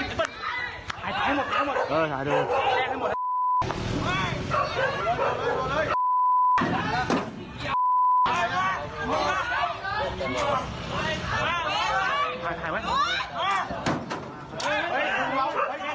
คุณผู้ชายอย่าเข้า